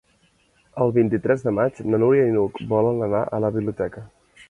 El vint-i-tres de maig na Núria i n'Hug volen anar a la biblioteca.